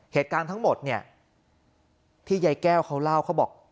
เหตุการณ์ทั้งหมดเนี่ยที่ยายแก้วเขาเล่าเขาบอก